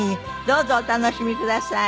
どうぞお楽しみください。